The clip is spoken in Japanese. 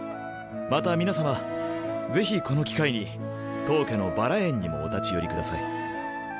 また皆様ぜひこの機会に当家のバラ園にもお立ち寄りください。